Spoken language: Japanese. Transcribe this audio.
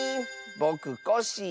「ぼくコッシー」